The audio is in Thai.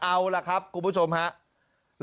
เอาล่ะครับคุณผู้ชมครับ